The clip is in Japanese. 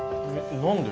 何で？